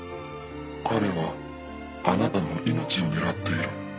彼はあなたの命を狙っている。